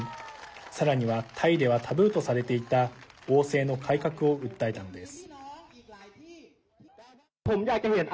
さらには、タイではタブーとされていた王制の改革を訴えたのです。